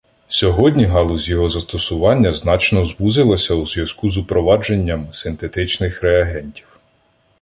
Сьогодні галузь його застосування значно звузилася у зв'язку з упровадженням синтетичних реагентів.